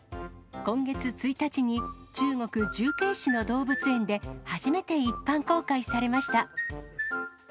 今月１日に、中国・重慶市の動物園で、初めて一般公開されました。